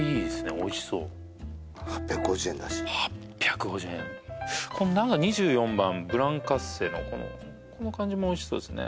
おいしそう８５０円だし８５０円この何か２４番ブランカッセのこの感じもおいしそうですね